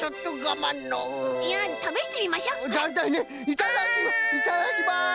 いただきます！